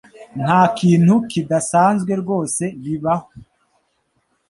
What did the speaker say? Nta kintu kidasanzwe rwose biba ho.